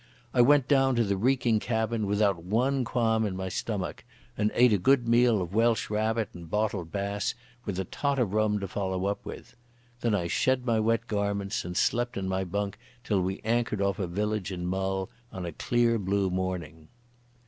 I went down to the reeking cabin without one qualm in my stomach, and ate a good meal of welsh rabbit and bottled Bass, with a tot of rum to follow up with. Then I shed my wet garments, and slept in my bunk till we anchored off a village in Mull in a clear blue morning.